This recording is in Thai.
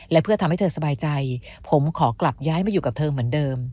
และเพื่อทำให้เธอสบายใจผมขอกลับย้ายมาอยู่กับเธอเหมือนเดิม